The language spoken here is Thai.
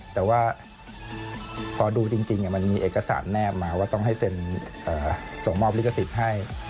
แต่ว่าพอดูจริงมันมีเอกสารแนบมาว่าต้องให้เซ็นส่งมอบลิขสิทธิ์ให้